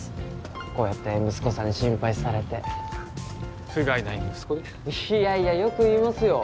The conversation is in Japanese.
こうやって息子さんに心配されてふがいない息子でいやいやよく言いますよ